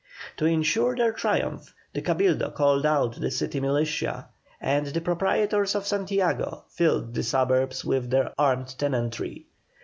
To ensure their triumph the Cabildo called out the city militia, and the proprietors of Santiago filled the suburbs with their armed tenantry.